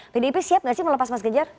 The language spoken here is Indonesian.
pdip siap gak sih melepas mas ganjar